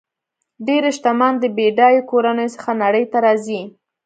ډېری شتمن د بډایو کورنیو څخه نړۍ ته راځي.